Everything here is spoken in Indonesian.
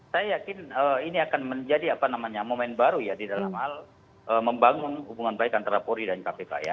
saya yakin ini akan menjadi apa namanya momen baru ya di dalam hal membangun hubungan baik antara polri dan kpk ya